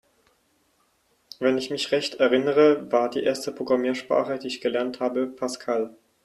Wenn ich mich recht erinnere, war die erste Programmiersprache, die ich gelernt habe, Pascal.